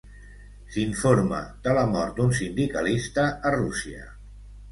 S'informa de la mort d'un sindicalista a Rússia.